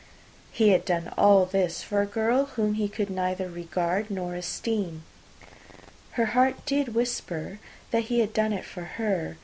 He had done all this for a girl whom he could neither regard nor esteem. Her heart did whisper that he had done it for her.